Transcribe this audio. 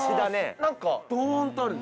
何かドンとあるね。